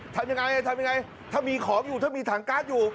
ทำยังไงถ้ามีของอยู่ถ้ามีถังก๊าซอยู่